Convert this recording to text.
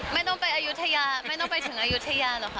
ไม่ต้องไปอายุทยาไม่ต้องไปถึงอายุทยาหรอกค่ะ